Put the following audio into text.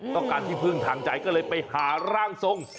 ต้องการที่พึ่งทางใจก็เลยไปหาร่างทรง